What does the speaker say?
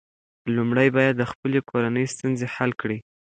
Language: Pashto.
لومړی باید د خپلې کورنۍ ستونزې حل کړې.